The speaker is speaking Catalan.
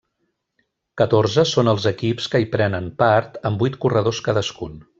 Catorze són els equips que hi prenen part, amb vuit corredors cadascun.